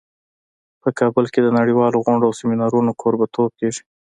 په کابل کې د نړیوالو غونډو او سیمینارونو کوربه توب کیږي